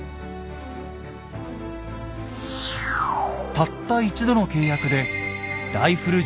たった１度の契約でライフル銃